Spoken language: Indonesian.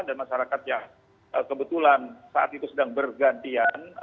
dan masyarakat ya kebetulan saat itu sedang bergantian